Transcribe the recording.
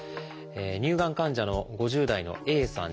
乳がん患者の５０代のＡさん